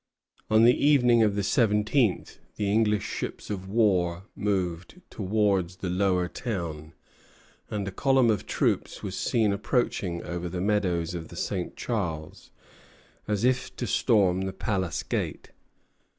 On the evening of the seventeenth, the English ships of war moved towards the Lower Town, and a column of troops was seen approaching over the meadows of the St. Charles, as if to storm the Palace Gate.